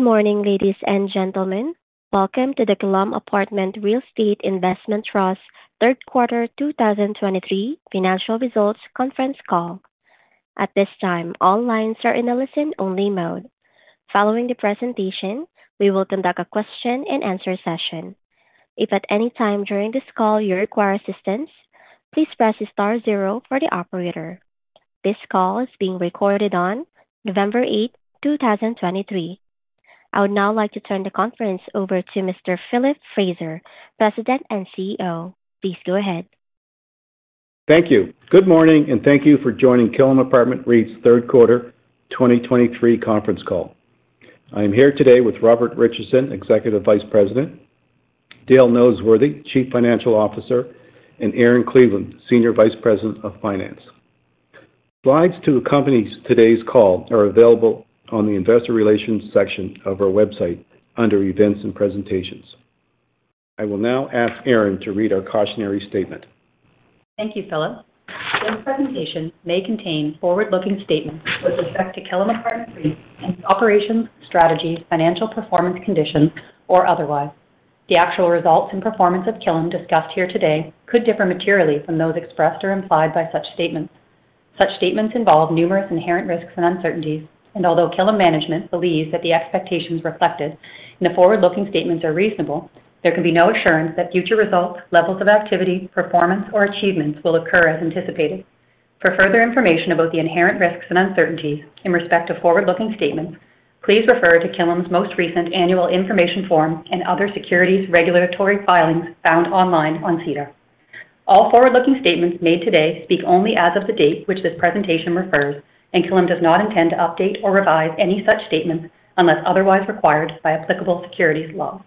Good morning, ladies and gentlemen. Welcome to the Killam Apartment Real Estate Investment Trust Q3 2023 Financial Results Conference Call. At this time, all lines are in a listen-only mode. Following the presentation, we will conduct a question-and-answer session. If at any time during this call you require assistance, please press star zero for the operator. This call is being recorded on November 8, 2023. I would now like to turn the conference over to Mr. Philip Fraser, President and CEO. Please go ahead. Thank you. Good morning, and thank you for joining Killam Apartment REIT's Q3 2023 Conference Call. I am here today with Robert Richardson, Executive Vice President, Dale Noseworthy, Chief Financial Officer, and Erin Cleveland, Senior Vice President of Finance. Slides to accompany today's call are available on the investor relations section of our website under Events and Presentations. I will now ask Erin to read our cautionary statement. Thank you, Philip. This presentation may contain forward-looking statements with respect to Killam Apartment REIT's operations, strategies, financial performance, conditions, or otherwise. The actual results and performance of Killam discussed here today could differ materially from those expressed or implied by such statements. Such statements involve numerous inherent risks and uncertainties, and although Killam management believes that the expectations reflected in the forward-looking statements are reasonable, there can be no assurance that future results, levels of activity, performance, or achievements will occur as anticipated. For further information about the inherent risks and uncertainties in respect to forward-looking statements, please refer to Killam's most recent annual information form and other securities regulatory filings found online on SEDAR. All forward-looking statements made today speak only as of the date which this presentation refers, and Killam does not intend to update or revise any such statements unless otherwise required by applicable securities laws.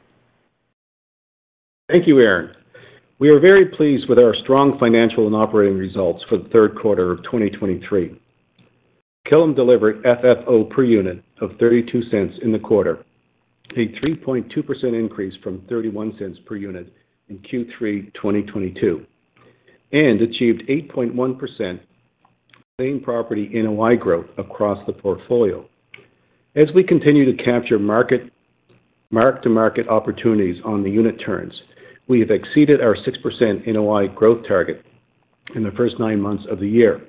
Thank you, Erin. We are very pleased with our strong financial and operating results for the third quarter of 2023. Killam delivered FFO per unit of 0.32 in the quarter, a 3.2% increase from 0.31 per unit in Q3 2022, and achieved 8.1% same property NOI growth across the portfolio. As we continue to capture market, mark-to-market opportunities on the unit turns, we have exceeded our 6% NOI growth target in the first nine months of the year.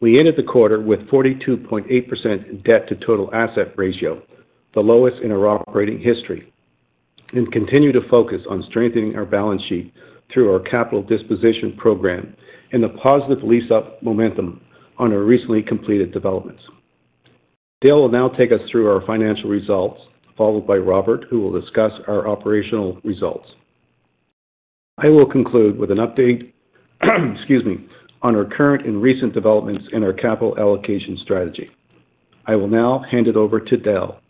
We ended the quarter with 42.8% debt to total asset ratio, the lowest in our operating history, and continue to focus on strengthening our balance sheet through our capital disposition program and the positive lease up momentum on our recently completed developments. Dale will now take us through our financial results, followed by Robert, who will discuss our operational results. I will conclude with an update, excuse me, on our current and recent developments in our capital allocation strategy. I will now hand it over to Dale.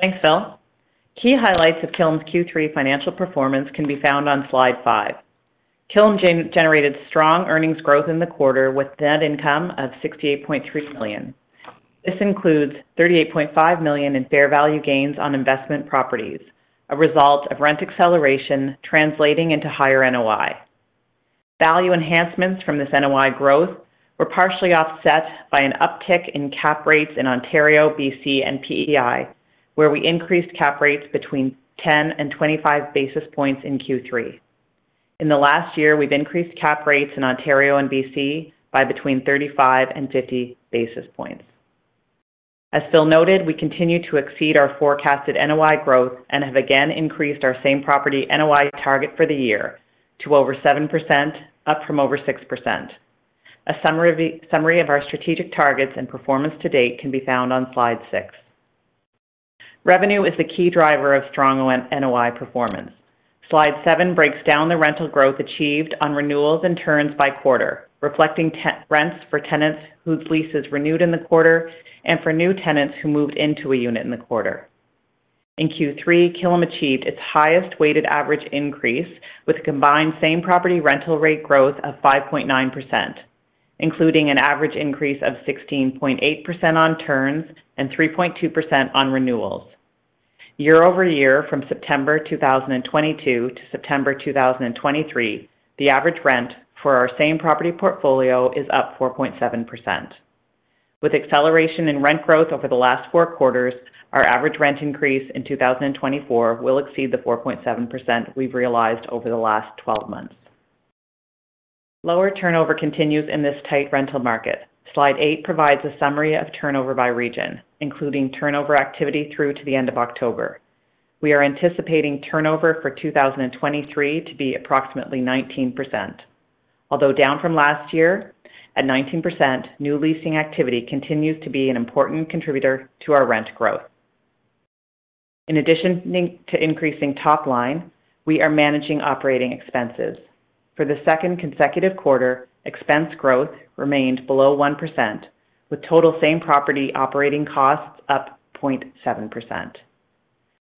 Thanks, Phil. Key highlights of Killam's Q3 financial performance can be found on slide five. Killam generated strong earnings growth in the quarter, with net income of 68.3 million. This includes 38.5 million in fair value gains on investment properties, a result of rent acceleration translating into higher NOI. Value enhancements from this NOI growth were partially offset by an uptick in cap rates in Ontario, B.C. and PEI, where we increased cap rates between 10 and 25 basis points in Q3. In the last year, we've increased cap rates in Ontario and B.C. by between 35 and 50 basis points. As Phil noted, we continue to exceed our forecasted NOI growth and have again increased our same property NOI target for the year to over 7%, up from over 6%. A summary of our strategic targets and performance to date can be found on slide six. Revenue is the key driver of strong NOI performance. Slide seven breaks down the rental growth achieved on renewals and turns by quarter, reflecting ten rents for tenants whose leases renewed in the quarter and for new tenants who moved into a unit in the quarter. In Q3, Killam achieved its highest weighted average increase, with a combined same property rental rate growth of 5.9%, including an average increase of 16.8% on turns and 3.2% on renewals. Year-over-year, from September 2022 to September 2023, the average rent for our same property portfolio is up 4.7%. With acceleration in rent growth over the last four quarters, our average rent increase in 2024 will exceed the 4.7% we've realized over the last 12 months. Lower turnover continues in this tight rental market. Slide eight provides a summary of turnover by region, including turnover activity through to the end of October. We are anticipating turnover for 2023 to be approximately 19%. Although down from last year, at 19%, new leasing activity continues to be an important contributor to our rent growth. In addition to increasing top line, we are managing operating expenses. For the second consecutive quarter, expense growth remained below 1%, with total same property operating costs up 0.7%.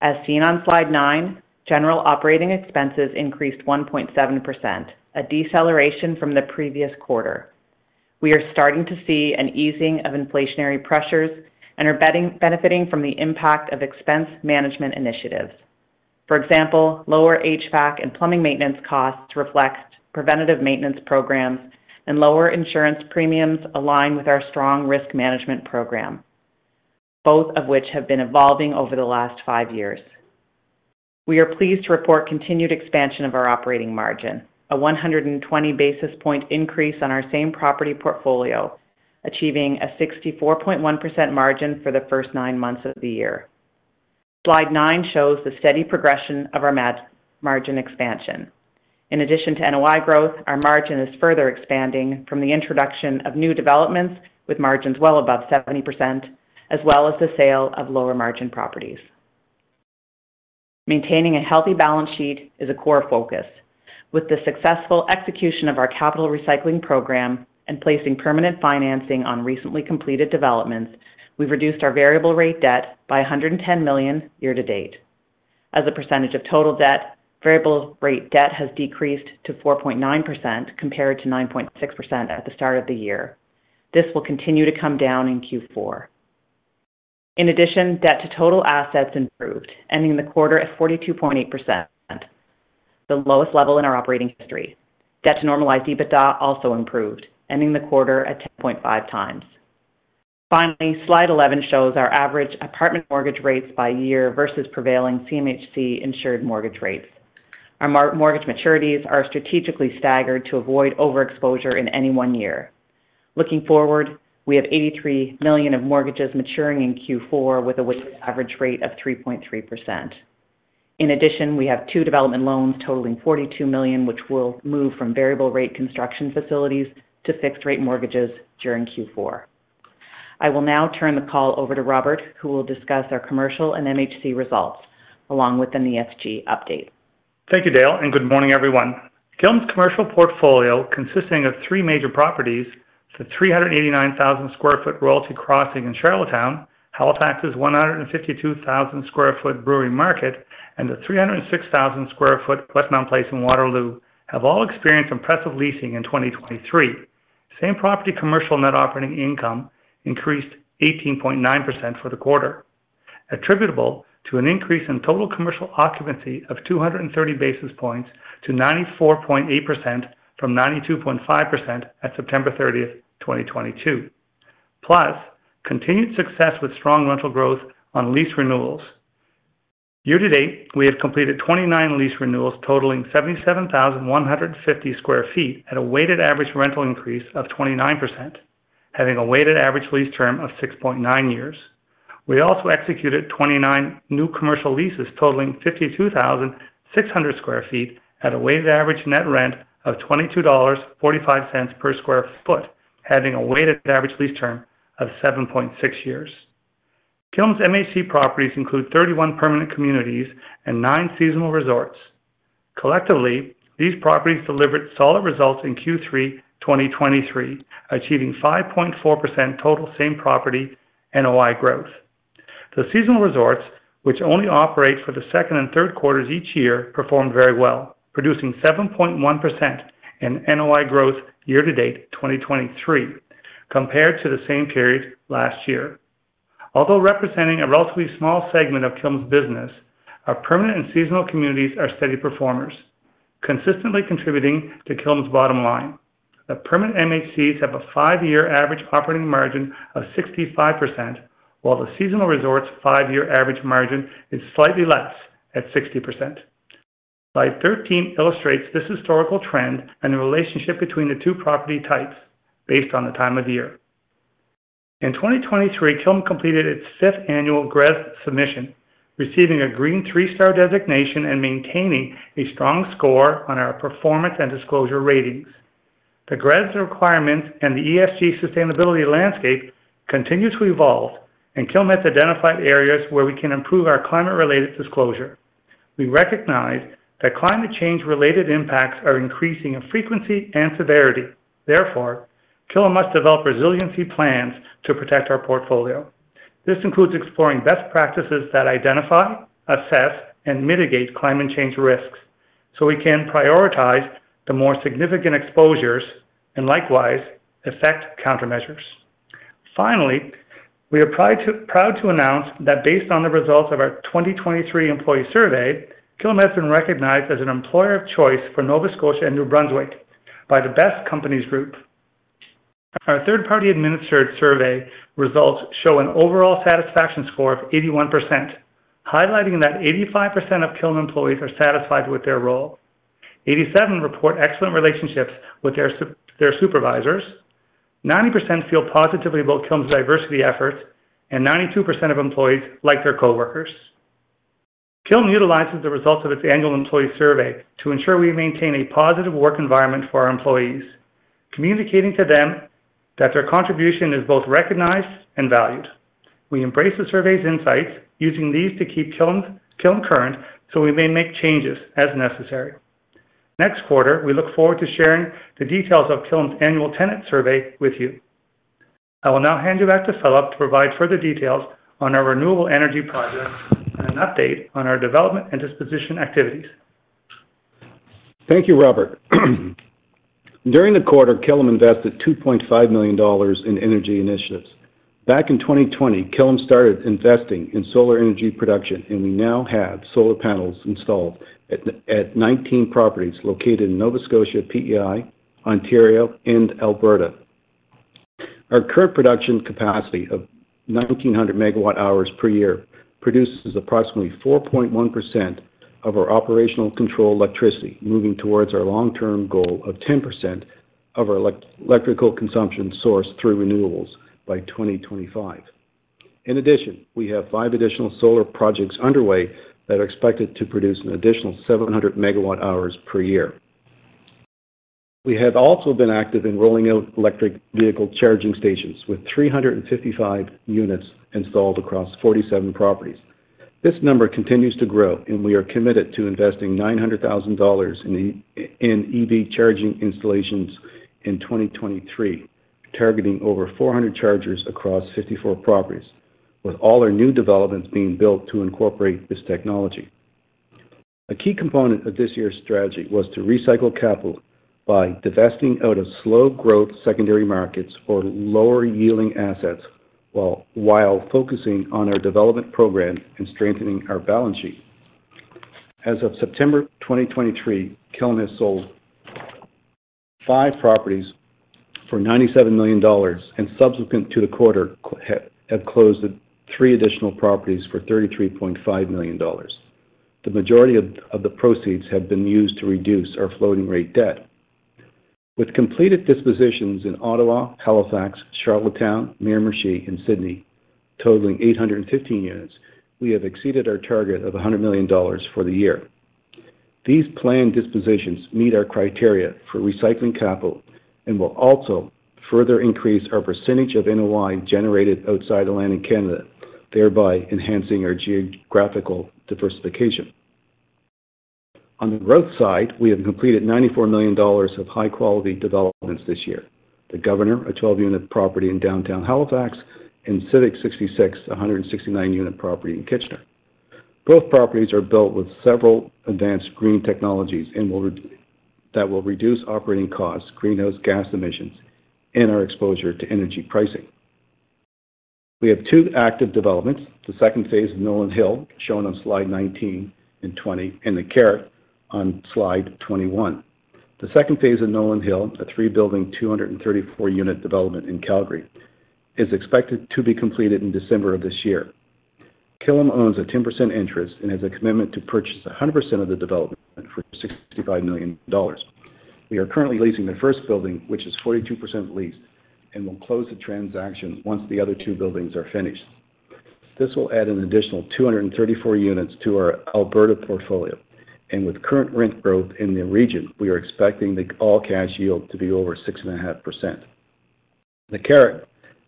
As seen on Slide nine, general operating expenses increased 1.7%, a deceleration from the previous quarter. We are starting to see an easing of inflationary pressures and are benefiting from the impact of expense management initiatives. For example, lower HVAC and plumbing maintenance costs reflect preventative maintenance programs and lower insurance premiums aligned with our strong risk management program, both of which have been evolving over the last five years. We are pleased to report continued expansion of our operating margin, a 120 basis point increase on our same property portfolio, achieving a 64.1% margin for the first nine months of the year. Slide 9 shows the steady progression of our margin expansion. In addition to NOI growth, our margin is further expanding from the introduction of new developments, with margins well above 70%, as well as the sale of lower margin properties. Maintaining a healthy balance sheet is a core focus. With the successful execution of our capital recycling program and placing permanent financing on recently completed developments, we've reduced our variable rate debt by 110 million year to date. As a percentage of total debt, variable rate debt has decreased to 4.9%, compared to 9.6% at the start of the year. This will continue to come down in Q4. In addition, debt to total assets improved, ending the quarter at 42.8%, the lowest level in our operating history. Debt to normalized EBITDA also improved, ending the quarter at 10.5x. Finally, slide 11 shows our average apartment mortgage rates by year versus prevailing CMHC insured mortgage rates. Our mortgage maturities are strategically staggered to avoid overexposure in any one year. Looking forward, we have 83 million of mortgages maturing in Q4 with a weighted average rate of 3.3%. In addition, we have two development loans totaling 42 million, which will move from variable rate construction facilities to fixed rate mortgages during Q4. I will now turn the call over to Robert, who will discuss our commercial and MHC results, along with the ESG update. Thank you Dale, and good morning, everyone. Killam's commercial portfolio, consisting of three major properties, the 389,000 sq ft Royalty Crossing in Charlottetown, Halifax's 152,000 sq ft Brewery Market, and the 306,000 sq ft Westmount Place in Waterloo, have all experienced impressive leasing in 2023. Same property commercial net operating income increased 18.9% for the quarter, attributable to an increase in total commercial occupancy of 230 basis points to 94.8% from 92.5% at 30 September 2022. Plus, continued success with strong rental growth on lease renewals. Year to date, we have completed 29 lease renewals totaling 77,150 sq ft at a weighted average rental increase of 29%, having a weighted average lease term of 6.9 years. We also executed 29 new commercial leases totaling 52,600 sq ft at a weighted average net rent of 22.45 dollars per sq ft, having a weighted average lease term of 7.6 years. Killam's MHC properties include 31 permanent communities and nine seasonal resorts. Collectively, these properties delivered solid results in Q3 2023, achieving 5.4% total same property NOI growth. The seasonal resorts, which only operate for the Q2 and Q3 each year, performed very well, producing 7.1% in NOI growth year to date, 2023, compared to the same period last year. Although representing a relatively small segment of Killam's business, our permanent and seasonal communities are steady performers, consistently contributing to Killam's bottom line. The permanent MHCs have a five-year average operating margin of 65%, while the seasonal resorts' five-year average margin is slightly less, at 60%. Slide 13 illustrates this historical trend and the relationship between the two property types based on the time of year. In 2023, Killam completed its 5th annual GRESB submission, receiving a green 3-star designation and maintaining a strong score on our performance and disclosure ratings. The GRESB requirements and the ESG sustainability landscape continues to evolve, and Killam has identified areas where we can improve our climate-related disclosure. We recognize that climate change-related impacts are increasing in frequency and severity. Therefore, Killam must develop resiliency plans to protect our portfolio. This includes exploring best practices that identify, assess, and mitigate climate change risks, so we can prioritize the more significant exposures and likewise effect countermeasures. Finally, we are proud to announce that based on the results of our 2023 employee survey, Killam has been recognized as an employer of choice for Nova Scotia and New Brunswick by the Best Companies Group. Our third-party administered survey results show an overall satisfaction score of 81%, highlighting that 85% of Killam employees are satisfied with their role. 87% report excellent relationships with their supervisors. 90% feel positively about Killam's diversity efforts, and 92% of employees like their coworkers. Killam utilizes the results of its annual employee survey to ensure we maintain a positive work environment for our employees, communicating to them that their contribution is both recognized and valued. We embrace the survey's insights, using these to keep Killam current, so we may make changes as necessary. Next quarter, we look forward to sharing the details of Killam's annual tenant survey with you. I will now hand you back to Philip to provide further details on our renewable energy projects and an update on our development and disposition activities. ...Thank you, Robert. During the quarter, Killam invested 2.5 million dollars in energy initiatives. Back in 2020, Killam started investing in solar energy production, and we now have solar panels installed at 19 properties located in Nova Scotia, PEI, Ontario and Alberta. Our current production capacity of 1,900 MWh per year produces approximately 4.1% of our operational control electricity, moving towards our long-term goal of 10% of our electrical consumption sourced through renewables by 2025. In addition, we have five additional solar projects underway that are expected to produce an additional 700 MWh per year. We have also been active in rolling out electric vehicle charging stations, with 355 units installed across 47 properties. This number continues to grow, and we are committed to investing 900 thousand dollars in EV charging installations in 2023, targeting over 400 chargers across 54 properties, with all our new developments being built to incorporate this technology. A key component of this year's strategy was to recycle capital by divesting out of slow growth secondary markets or lower-yielding assets, while focusing on our development program and strengthening our balance sheet. As of September 2023, Killam has sold five properties for 97 million dollars, and subsequent to the quarter, have closed three additional properties for 33.5 million dollars. The majority of the proceeds have been used to reduce our floating rate debt. With completed dispositions in Ottawa, Halifax, Charlottetown, Miramichi, and Sydney, totaling 815 units, we have exceeded our target of 100 million dollars for the year. These planned dispositions meet our criteria for recycling capital and will also further increase our percentage of NOI generated outside Atlantic Canada, thereby enhancing our geographical diversification. On the growth side, we have completed 94 million dollars of high-quality developments this year. The Governor, a 12-unit property in downtown Halifax, and Civic 66, a 169-unit property in Kitchener. Both properties are built with several advanced green technologies and will reduce operating costs, greenhouse gas emissions, and our exposure to energy pricing. We have two active developments: the second phase of Nolan Hill, shown on slide 19 and 20, and The Carrick on slide 21. The second phase of Nolan Hill, a three-building, 234-unit development in Calgary, is expected to be completed in December of this year. Killam owns a 10% interest and has a commitment to purchase 100% of the development for 65 million dollars. We are currently leasing the first building, which is 42% leased, and will close the transaction once the other two buildings are finished. This will add an additional 234 units to our Alberta portfolio, and with current rent growth in the region, we are expecting the all-cash yield to be over 6.5%. The Carrick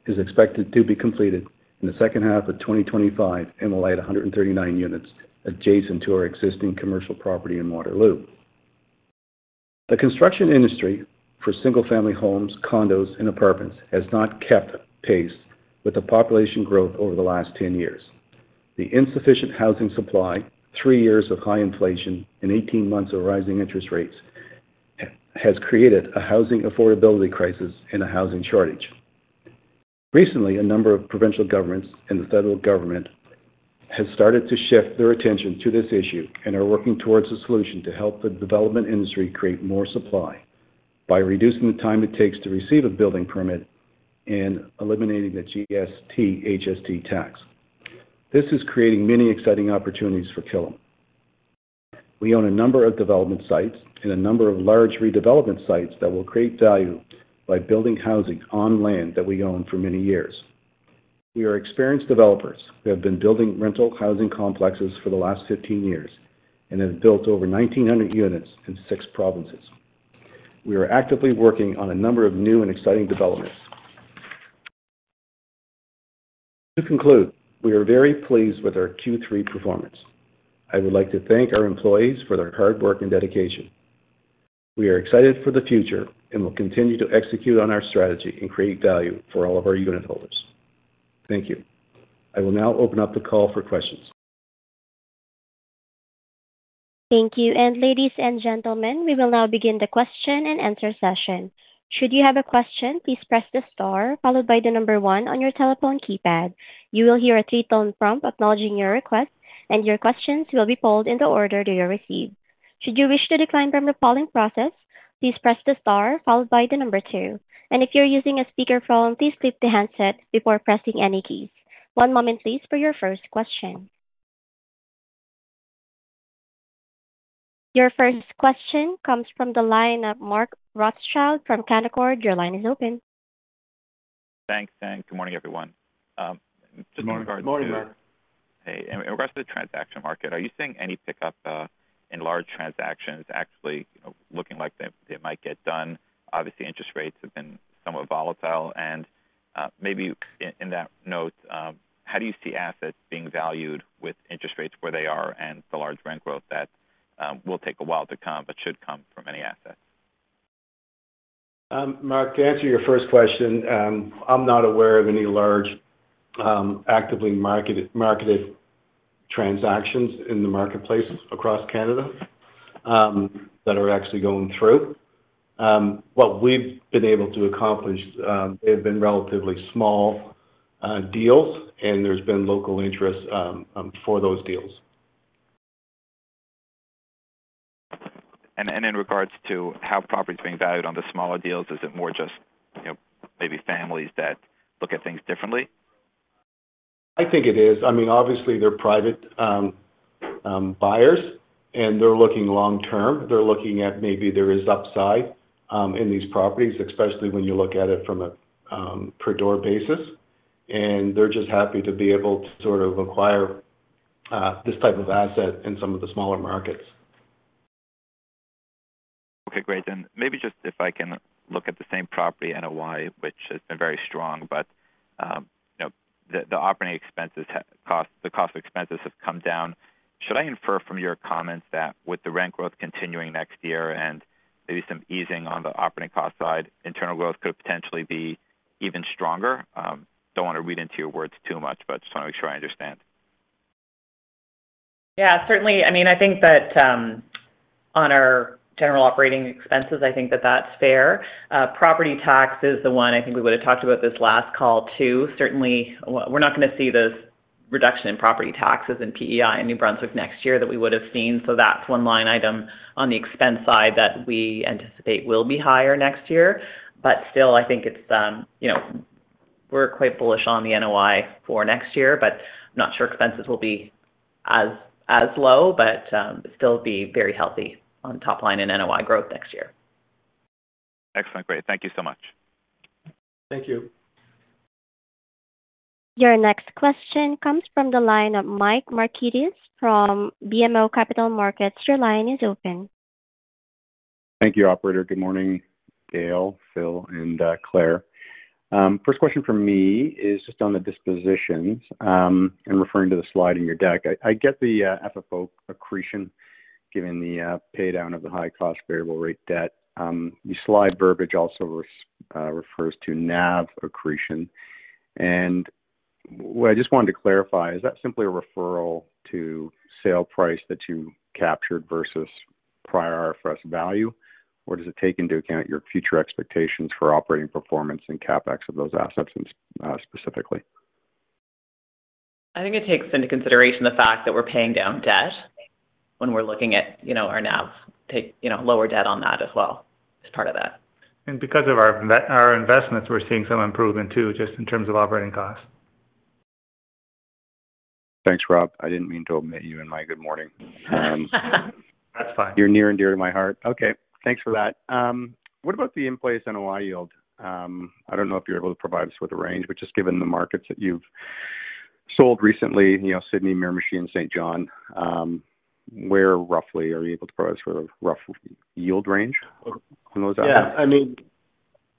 is expected to be completed in the second half of 2025 and will add 139 units adjacent to our existing commercial property in Waterloo. The construction industry for single-family homes, condos, and apartments has not kept pace with the population growth over the last 10 years. The insufficient housing supply, three years of high inflation, and 18 months of rising interest rates has created a housing affordability crisis and a housing shortage. Recently, a number of provincial governments and the federal government have started to shift their attention to this issue and are working towards a solution to help the development industry create more supply by reducing the time it takes to receive a building permit and eliminating the GST/HST tax. This is creating many exciting opportunities for Killam. We own a number of development sites and a number of large redevelopment sites that will create value by building housing on land that we own for many years. We are experienced developers. We have been building rental housing complexes for the last 15 years and have built over 1,900 units in six provinces. We are actively working on a number of new and exciting developments. To conclude, we are very pleased with our Q3 performance. I would like to thank our employees for their hard work and dedication. We are excited for the future and will continue to execute on our strategy and create value for all of our unitholders. Thank you. I will now open up the call for questions. Thank you. And ladies and gentlemen, we will now begin the question-and-answer session. Should you have a question, please press the star followed by the number one on your telephone keypad. You will hear a three-tone prompt acknowledging your request, and your questions will be polled in the order they are received. Should you wish to decline from the polling process, please press the star followed by the number two, and if you're using a speakerphone, please click the handset before pressing any keys. One moment, please, for your first question. Your first question comes from the line of Mark Rothschild from Canaccord. Your line is open. Thanks, and good morning, everyone. Just in regards to- Good morning, Mark. Hey, in regards to the transaction market, are you seeing any pickup in large transactions actually, you know, looking like they, they might get done? Obviously, interest rates have been somewhat volatile. Maybe in that note, how do you see assets being valued with interest rates where they are and the large rent growth that will take a while to come but should come from many assets?... Mark, to answer your first question, I'm not aware of any large, actively marketed transactions in the marketplace across Canada, that are actually going through. What we've been able to accomplish, they have been relatively small deals, and there's been local interest for those deals. And in regards to how property is being valued on the smaller deals, is it more just, you know, maybe families that look at things differently? I think it is. I mean, obviously, they're private, buyers, and they're looking long term. They're looking at maybe there is upside, in these properties, especially when you look at it from a, per door basis, and they're just happy to be able to sort of acquire, this type of asset in some of the smaller markets. Okay, great. Then maybe just if I can look at the same property, NOI, which has been very strong, but, you know, the operating expenses cost, the cost of expenses have come down. Should I infer from your comments that with the rent growth continuing next year and maybe some easing on the operating cost side, internal growth could potentially be even stronger? Don't want to read into your words too much, but just want to make sure I understand. Yeah, certainly. I mean, I think that, on our general operating expenses, I think that that's fair. Property tax is the one I think we would have talked about this last call, too. Certainly, we're not going to see the reduction in property taxes in PEI and New Brunswick next year that we would have seen. So that's one line item on the expense side that we anticipate will be higher next year. But still, I think it's, you know, we're quite bullish on the NOI for next year, but not sure expenses will be as low, but still be very healthy on top line in NOI growth next year. Excellent. Great. Thank you so much. Thank you. Your next question comes from the line of Mike Markidis from BMO Capital Markets. Your line is open. Thank you, operator. Good morning, Gail, Phil, and Erin. First question from me is just on the dispositions, and referring to the slide in your deck. I get the FFO accretion, given the pay down of the high cost variable rate debt. The slide verbiage also refers to NAV accretion. And what I just wanted to clarify, is that simply a reference to sale price that you captured versus prior IFRS value, or does it take into account your future expectations for operating performance and CapEx of those assets, specifically? I think it takes into consideration the fact that we're paying down debt when we're looking at, you know, our NAV, you know, lower debt on that as well, as part of that. Because of our investments, we're seeing some improvement, too, just in terms of operating costs. Thanks, Rob. I didn't mean to omit you in my good morning. That's fine. You're near and dear to my heart. Okay, thanks for that. What about the in-place NOI yield? I don't know if you're able to provide us with a range, but just given the markets that you've sold recently, you know, Sydney, Miramichi, and Saint John, where roughly are you able to provide us with a rough yield range on those items? Yeah, I mean,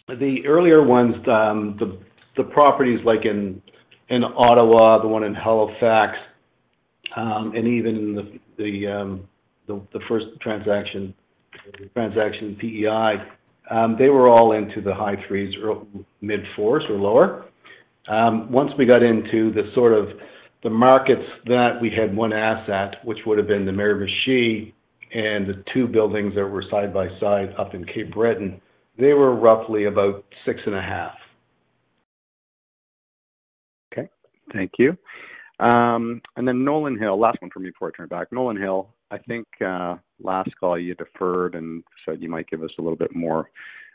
the earlier ones, the properties like in Ottawa, the one in Halifax, and even the first transaction in PEI, they were all into the high 3%s, or mid-4%s or lower. Once we got into sort of the markets that we had one asset, which would have been the Miramichi and the two buildings that were side by side up in Cape Breton, they were roughly about 6.5%. Okay, thank you. And then Nolan Hill, last one for me before I turn it back. Nolan Hill, I think, last call, you deferred and said you might give us a little bit more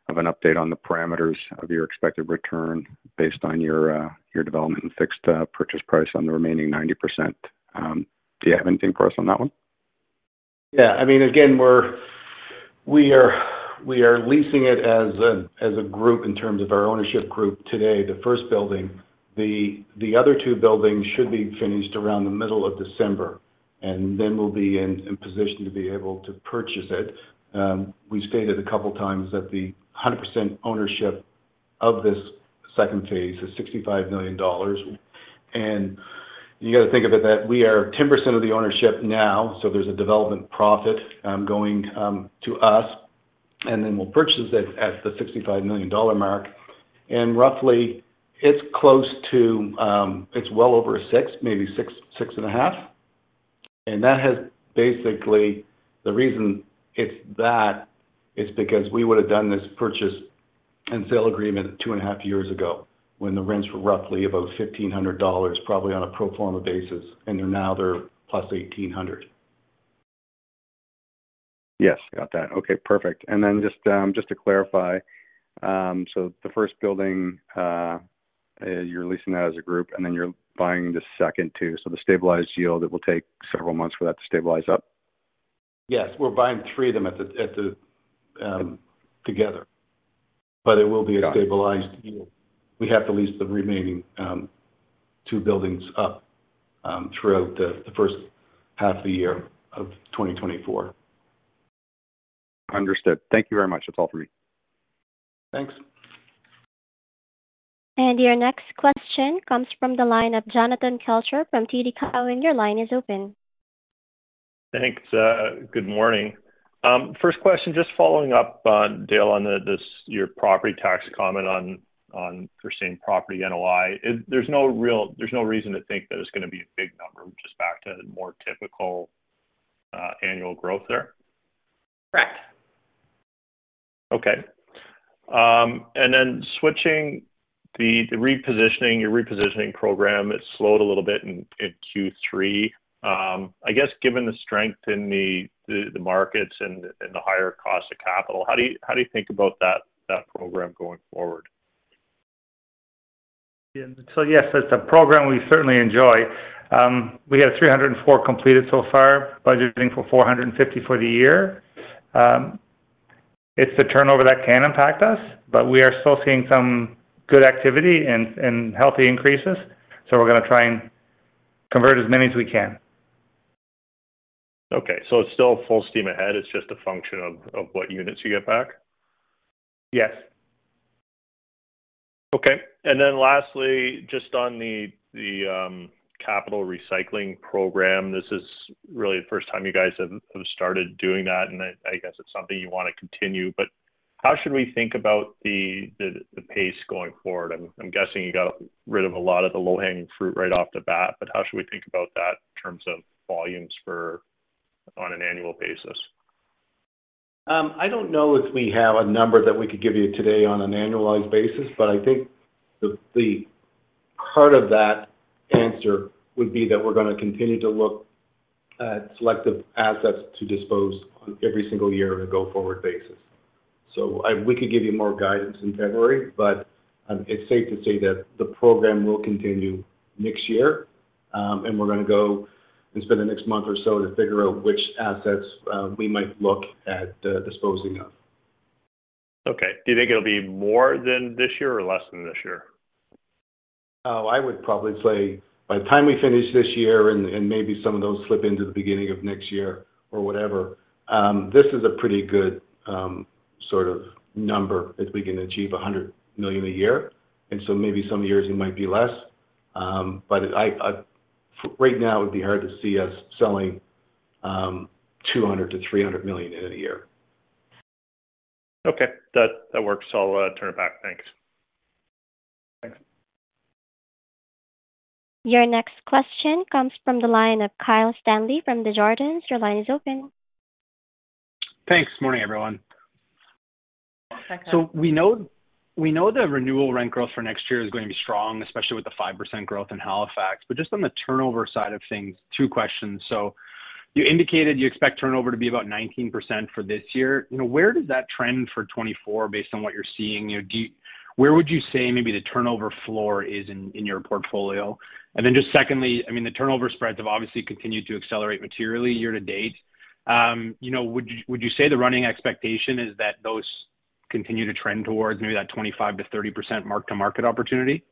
of an update on the parameters of your expected return based on your, your development and fixed purchase price on the remaining 90%. Do you have anything for us on that one? Yeah. I mean, again, we are leasing it as a group in terms of our ownership group today, the first building. The other two buildings should be finished around the middle of December, and then we'll be in position to be able to purchase it. We stated a couple of times that the 100% ownership of this second phase is 65 million dollars, and you got to think about that. We are 10% of the ownership now, so there's a development profit going to us, and then we'll purchase it at the 65 million dollar mark, and roughly, it's close to, it's well over a 6%, maybe 6%/6.5%. And that has basically... The reason it's that is because we would have done this purchase and sale agreement two and a two and a half years ago, when the rents were roughly about 1,500 dollars, probably on a pro forma basis, and they're now plus 1,800. Yes, got that. Okay, perfect. And then just, just to clarify, so the first building, you're leasing that as a group, and then you're buying the second, too. So the stabilized yield, it will take several months for that to stabilize up? Yes. We're buying three of them altogether, but it will be a stabilized yield. We have to lease the remaining two buildings up throughout the first half of the year of 2024. Understood. Thank you very much. That's all for me. Thanks. Your next question comes from the line of Jonathan Kelcher from TD Cowen. Your line is open. Thanks, good morning. First question, just following up on Dale on your property tax comment on unforeseen property NOI. There's no reason to think that it's going to be a big number, just back to more typical annual growth there? Correct. Okay. And then switching the repositioning, your repositioning program, it slowed a little bit in Q3. I guess given the strength in the markets and the higher cost of capital, how do you think about that program going forward? Yeah. So, yes, it's a program we certainly enjoy. We have 304 completed so far, budgeting for 450 for the year. It's the turnover that can impact us, but we are still seeing some good activity and, and healthy increases, so we're going to try and convert as many as we can. Okay. So it's still full steam ahead. It's just a function of what units you get back? Yes. Okay. And then lastly, just on the capital recycling program, this is really the first time you guys have started doing that, and I guess it's something you want to continue. But how should we think about the pace going forward? I'm guessing you got rid of a lot of the low-hanging fruit right off the bat, but how should we think about that in terms of volumes for on an annual basis? I don't know if we have a number that we could give you today on an annualized basis, but I think the part of that answer would be that we're going to continue to look at selective assets to dispose on every single year on a go-forward basis. So we could give you more guidance in February, but it's safe to say that the program will continue next year. And we're going to go and spend the next month or so to figure out which assets we might look at disposing of. Okay. Do you think it'll be more than this year or less than this year? Oh, I would probably say by the time we finish this year and maybe some of those slip into the beginning of next year or whatever, this is a pretty good, sort of number, if we can achieve 100 million a year, and so maybe some years it might be less. But I right now, it would be hard to see us selling 200 million-300 million in a year. Okay, that works. I'll turn it back. Thanks. Thanks. Your next question comes from the line of Kyle Stanley from Desjardins. Your line is open. Thanks. Morning, everyone. Hi, Kyle. So we know, we know the renewal rent growth for next year is going to be strong, especially with the 5% growth in Halifax. But just on the turnover side of things, two questions. So you indicated you expect turnover to be about 19% for this year. You know, where does that trend for 2024, based on what you're seeing? You know, do you... Where would you say maybe the turnover floor is in, in your portfolio? And then just secondly, I mean, the turnover spreads have obviously continued to accelerate materially year to date. You know, would you, would you say the running expectation is that those continue to trend towards maybe that 25%-30% mark-to-market opportunity?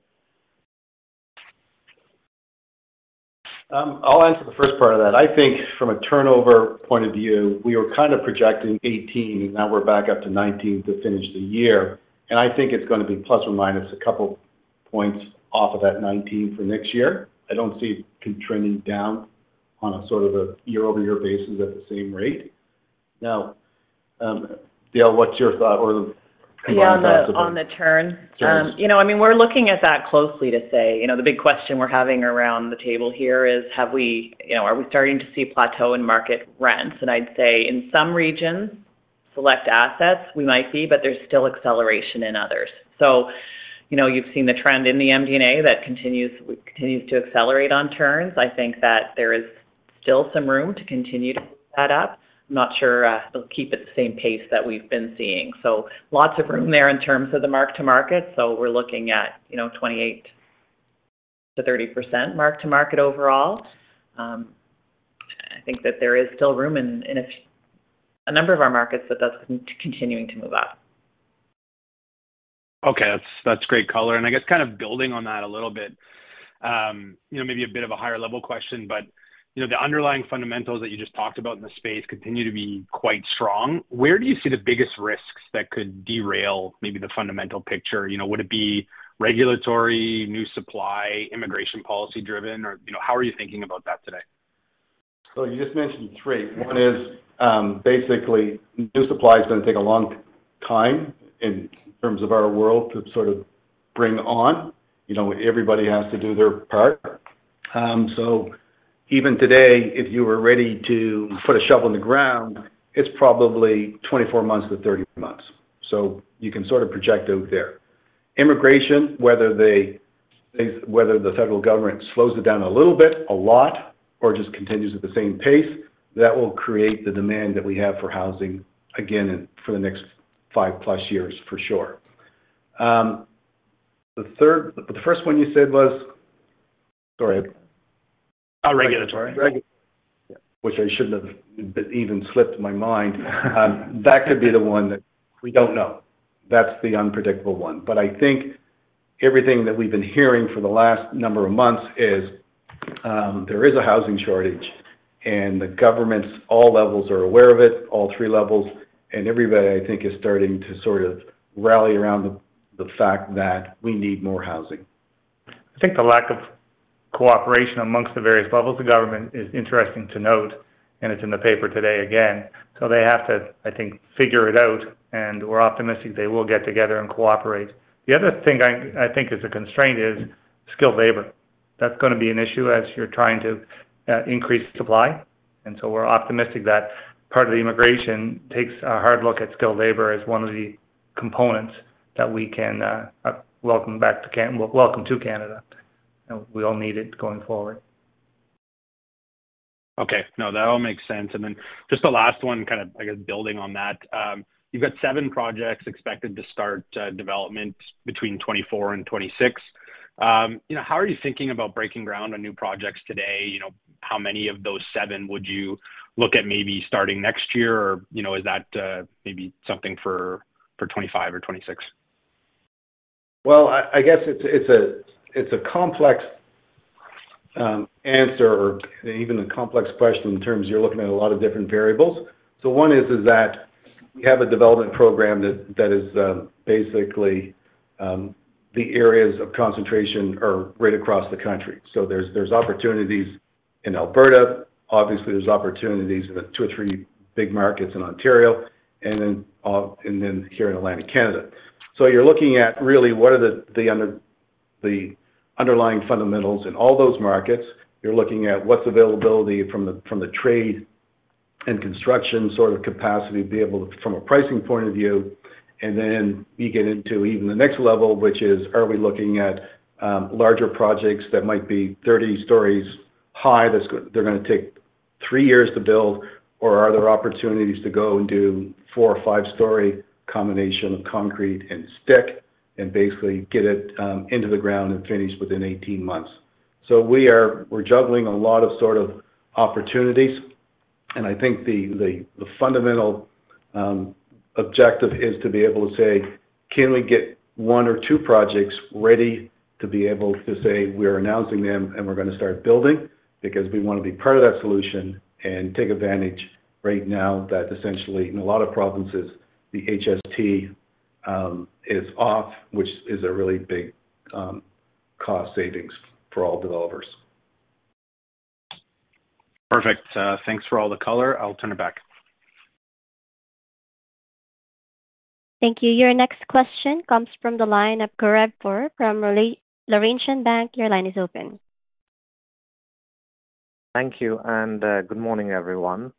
I'll answer the first part of that. I think from a turnover point of view, we were kind of projecting 18%, and now we're back up to 19% to finish the year. I think it's going to be plus or minus a couple points off of that 19% for next year. I don't see it continuing down on a sort of a year-over-year basis at the same rate. Now, Dale, what's your thought or comments on- Yeah, on the turn? Turns. You know, I mean, we're looking at that closely to say... You know, the big question we're having around the table here is have we, you know, are we starting to see plateau in market rents? And I'd say in some regions, select assets, we might be, but there's still acceleration in others. So, you know, you've seen the trend in the MD&A that continues to accelerate on turns. I think that there is still some room to continue to set up. I'm not sure they'll keep at the same pace that we've been seeing. So lots of room there in terms of the mark-to-market. So we're looking at, you know, 28%-30% mark-to-market overall. I think that there is still room in a number of our markets that that's continuing to move up. Okay. That's, that's great color. And I guess kind of building on that a little bit, you know, maybe a bit of a higher level question, but, you know, the underlying fundamentals that you just talked about in the space continue to be quite strong. Where do you see the biggest risks that could derail maybe the fundamental picture? You know, would it be regulatory, new supply, immigration, policy-driven, or, you know, how are you thinking about that today? So you just mentioned three. One is basically new supply is going to take a long time in terms of our world to sort of bring on. You know, everybody has to do their part. So even today, if you were ready to put a shovel in the ground, it's probably 24-30 months. So you can sort of project out there. Immigration, whether they, whether the federal government slows it down a little bit, a lot, or just continues at the same pace, that will create the demand that we have for housing again for the next 5+ years, for sure. The third, the first one you said was? Sorry. Uh, regulatory. Which I shouldn't have, even slipped my mind. That could be the one that we don't know. That's the unpredictable one. But I think everything that we've been hearing for the last number of months is there is a housing shortage, and the governments, all levels are aware of it, all three levels, and everybody, I think, is starting to sort of rally around the, the fact that we need more housing. I think the lack of cooperation among the various levels of government is interesting to note, and it's in the paper today again. So they have to, I think, figure it out, and we're optimistic they will get together and cooperate. The other thing I, I think is a constraint is skilled labor. That's gonna be an issue as you're trying to increase supply, and so we're optimistic that part of the immigration takes a hard look at skilled labor as one of the components that we can welcome back to Canada. And we all need it going forward. Okay. No, that all makes sense. And then just the last one, kind of, I guess, building on that. You've got seven projects expected to start development between 2024 and 2026. You know, how are you thinking about breaking ground on new projects today? You know, how many of those seven would you look at maybe starting next year, or, you know, is that maybe something for 2025 or 2026? Well, I guess it's a complex answer or even a complex question in terms of you're looking at a lot of different variables. So one is that we have a development program that is basically the areas of concentration are right across the country. So there's opportunities in Alberta. Obviously, there's opportunities in the two or three big markets in Ontario and then here in Atlantic Canada. So you're looking at really what are the underlying fundamentals in all those markets. You're looking at what's availability from the, from the trade and construction sort of capacity to be able to, from a pricing point of view, and then you get into even the next level, which is, are we looking at larger projects that might be 30 stories high, that's gonna take 3 years to build, or are there opportunities to go and do 4 or 5-story combination of concrete and stick and basically get it into the ground and finished within 18 months? So we are, we're juggling a lot of sort of opportunities, and I think the, the, the fundamental objective is to be able to say: Can we get one or two projects ready to be able to say, we're announcing them, and we're gonna start building? Because we want to be part of that solution and take advantage right now that essentially, in a lot of provinces, the HST is off, which is a really big cost savings for all developers. Perfect. Thanks for all the color. I'll turn it back. Thank you. Your next question comes from the line of Gaurav Mathur from Laurentian Bank. Your line is open. Thank you, and good morning, everyone.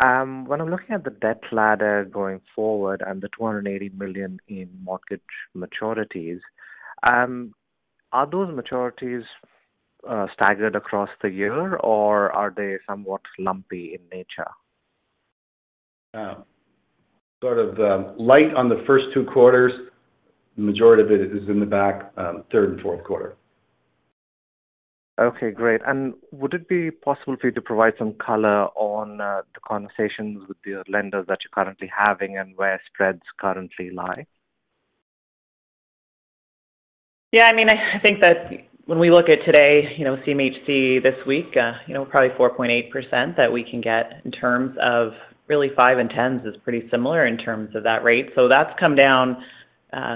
When I'm looking at the debt ladder going forward and the 280 million in mortgage maturities, are those maturities staggered across the year, or are they somewhat lumpy in nature? Sort of light on the first two quarters. The majority of it is in the back, Q3 and Q4. Okay, great. And would it be possible for you to provide some color on the conversations with your lenders that you're currently having and where spreads currently lie? Yeah, I mean, I think that when we look at today, you know, CMHC this week, you know, probably 4.8% that we can get in terms of really 5% and 10%s is pretty similar in terms of that rate. So that's come down,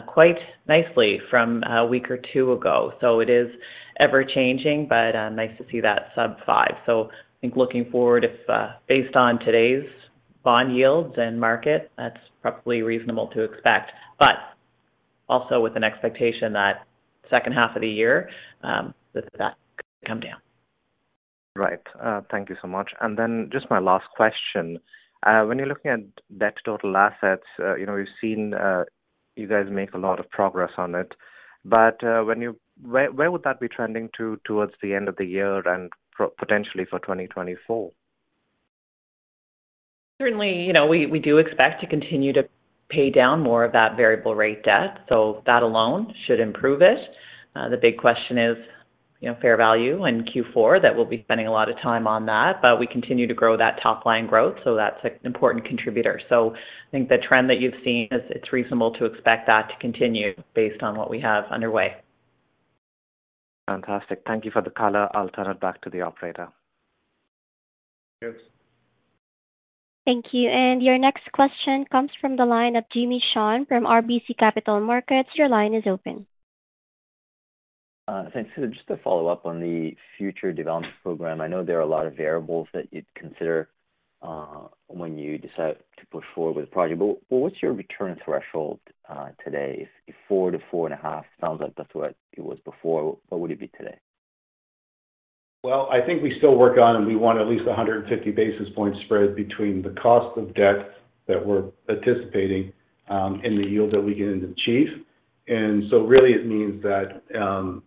quite nicely from a week or two ago. So it is ever-changing, but, nice to see that sub-5%. So I think looking forward, if, based on today's bond yields and market, that's probably reasonable to expect, but also with an expectation that second half of the year, that that come down. Right. Thank you so much. And then just my last question. When you're looking at debt total assets, you know, we've seen you guys make a lot of progress on it. But, where would that be trending to towards the end of the year and potentially for 2024? Certainly, you know, we do expect to continue to pay down more of that variable rate debt, so that alone should improve it. The big question is, you know, fair value in Q4, that we'll be spending a lot of time on that, but we continue to grow that top-line growth, so that's an important contributor. So I think the trend that you've seen is, it's reasonable to expect that to continue based on what we have underway. Fantastic. Thank you for the color. I'll turn it back to the operator. Thanks. Thank you. And your next question comes from the line of Jimmy Shan from RBC Capital Markets. Your line is open. Thanks. Just to follow up on the future development program, I know there are a lot of variables that you'd consider, when you decide to push forward with a project, but what's your return threshold today? If 4%-4.5%, sounds like that's what it was before, what would it be today? Well, I think we still work on, and we want at least 150 basis points spread between the cost of debt that we're anticipating, and the yield that we get to achieve. And so really it means that,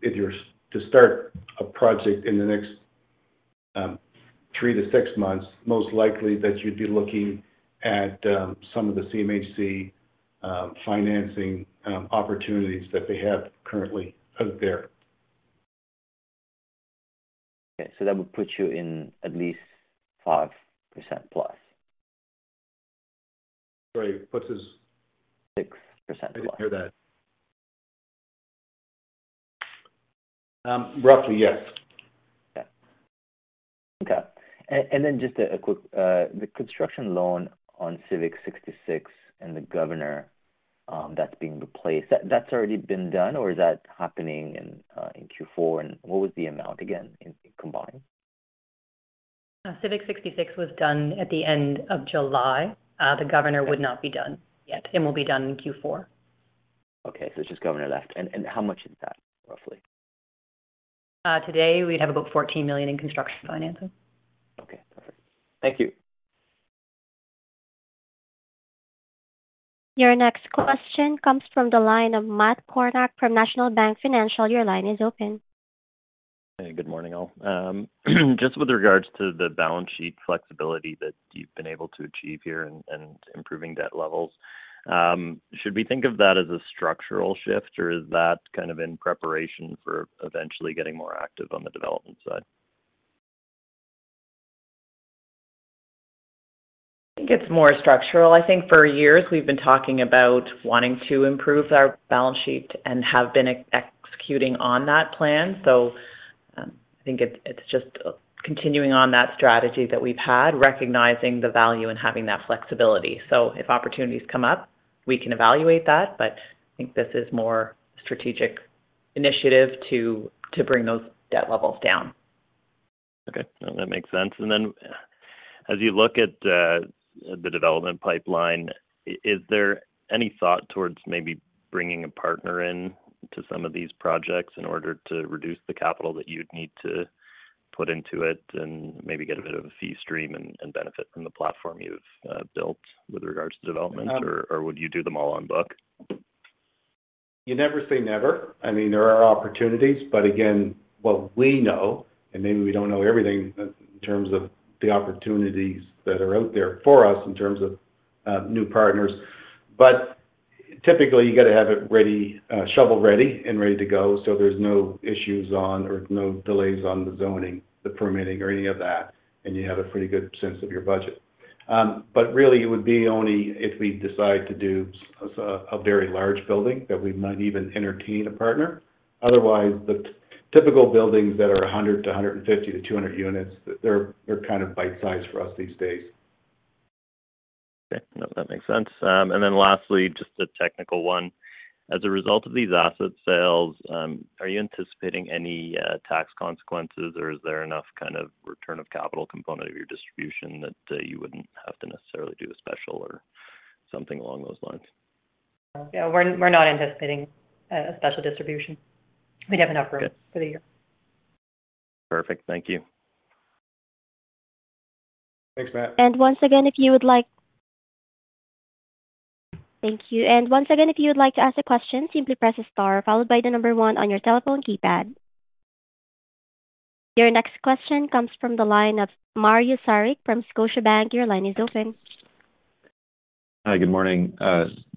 if you're to start a project in the next three to six months, most likely that you'd be looking at some of the CMHC financing opportunities that they have currently out there. Okay. So that would put you in at least 5% plus?... Sorry, what's his? 6%. I didn't hear that. Roughly, yes. Yeah. Okay. And then just a quick, the construction loan on Civic 66 and The Governor, that's being replaced. That's already been done, or is that happening in Q4? And what was the amount again in combined? Civic 66 was done at the end of July. The Governor would not be done yet and will be done in Q4. Okay. It's just Governor left. And, how much is that, roughly? Today, we'd have about 14 million in construction financing. Okay, perfect. Thank you. Your next question comes from the line of Matt Kornack from National Bank Financial. Your line is open. Hey, good morning, all. Just with regards to the balance sheet flexibility that you've been able to achieve here and, and improving debt levels, should we think of that as a structural shift, or is that kind of in preparation for eventually getting more active on the development side? I think it's more structural. I think for years we've been talking about wanting to improve our balance sheet and have been executing on that plan. So, I think it's just continuing on that strategy that we've had, recognizing the value in having that flexibility. So if opportunities come up, we can evaluate that, but I think this is more strategic initiative to bring those debt levels down. Okay. Well, that makes sense. And then as you look at the development pipeline, is there any thought towards maybe bringing a partner in to some of these projects in order to reduce the capital that you'd need to put into it and maybe get a bit of a fee stream and benefit from the platform you've built with regards to development? Or would you do them all on book? You never say never. I mean, there are opportunities, but again, what we know, and maybe we don't know everything in terms of the opportunities that are out there for us in terms of new partners. But typically, you got to have it ready, shovel-ready and ready to go, so there's no issues on or no delays on the zoning, the permitting, or any of that, and you have a pretty good sense of your budget. But really, it would be only if we decide to do a very large building that we might even entertain a partner. Otherwise, the typical buildings that are 100 to 150 to 200 units, they're kind of bite-sized for us these days. Okay. No, that makes sense. And then lastly, just a technical one: As a result of these asset sales, are you anticipating any tax consequences, or is there enough kind of return of capital component of your distribution that you wouldn't have to necessarily do a special or something along those lines? Yeah, we're not anticipating a special distribution. We have enough room for the year. Okay. Perfect. Thank you. Thanks, Matt. And once again, if you would like... Thank you. And once again, if you would like to ask a question, simply press star followed by the number one on your telephone keypad. Your next question comes from the line of Mario Saric from Scotiabank. Your line is open. Hi, good morning.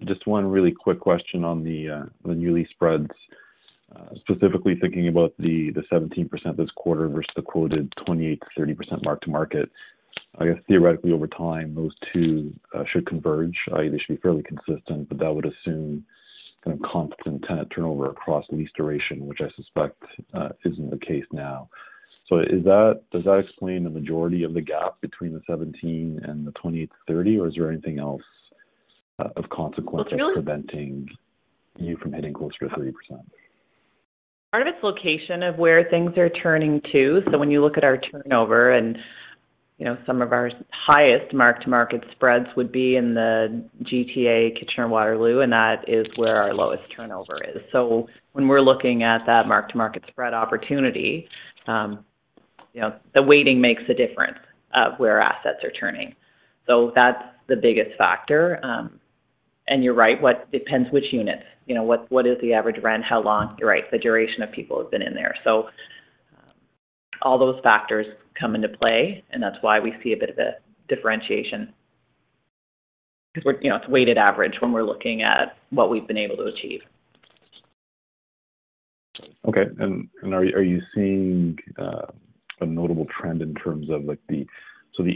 Just one really quick question on the new lease spreads. Specifically thinking about the 17% this quarter versus the quoted 28%-30% mark-to-market. I guess theoretically, over time, those two should converge. They should be fairly consistent, but that would assume kind of constant tenant turnover across lease duration, which I suspect isn't the case now. So is that - does that explain the majority of the gap between the 17% and the 28%-30%, or is there anything else of consequence- Well, it's really- -preventing you from hitting closer to 30%? Part of it's location of where things are turning to. So when you look at our turnover and, you know, some of our highest mark-to-market spreads would be in the GTA, Kitchener, Waterloo, and that is where our lowest turnover is. So when we're looking at that mark-to-market spread opportunity, you know, the weighting makes a difference of where our assets are turning. So that's the biggest factor. And you're right, what depends which unit, you know, what, what is the average rent? How long, you're right, the duration of people have been in there. So, all those factors come into play, and that's why we see a bit of a differentiation. Because we're, you know, it's a weighted average when we're looking at what we've been able to achieve. Okay. And are you seeing a notable trend in terms of like the... So the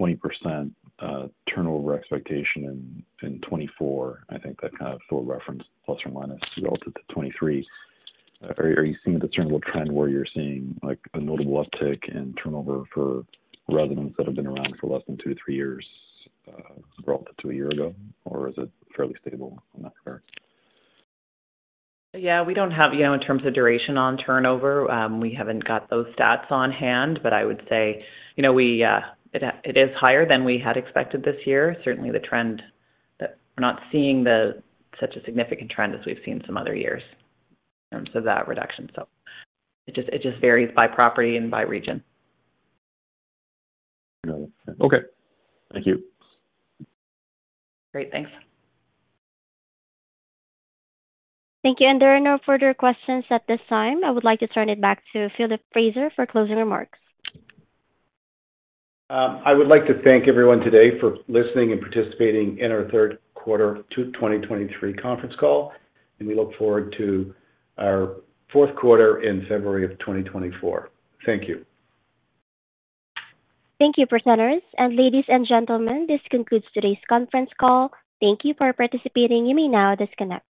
18%-20% turnover expectation in 2024, I think that kind of for reference, plus or minus, relative to 2023. Are you seeing the turnover trend where you're seeing, like, a notable uptick in turnover for residents that have been around for less than 2-3 years, relative to a year ago? Or is it fairly stable on that front? Yeah, we don't have, you know, in terms of duration on turnover. We haven't got those stats on hand, but I would say, you know, we, it is higher than we had expected this year. Certainly, the trend that we're not seeing such a significant trend as we've seen some other years in terms of that reduction. So it just, it just varies by property and by region. Got it. Okay. Thank you. Great. Thanks. Thank you. There are no further questions at this time. I would like to turn it back to Philip Fraser for closing remarks. I would like to thank everyone today for listening and participating in our Q3 2023 conference call, and we look forward to our Q4 in February of 2024. Thank you. Thank you, presenters. Ladies and gentlemen, this concludes today's conference call. Thank you for participating. You may now disconnect.